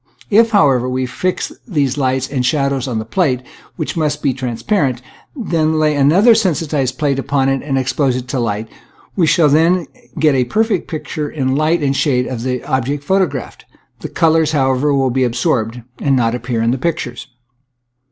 If, however, we fix these lights and shadows on the plate, which must be trans parent, and then lay another sensitized plate upon it and expose it to the light, we shall then get a perfect picture in light and shade of the object photographed. The colors, how ever, will be absorbed and not appear in the pictures.